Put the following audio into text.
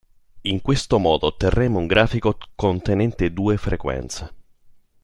In questo modo otterremo un grafico contenente due frequenze.